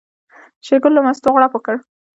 شېرګل له مستو غوړپ وکړ.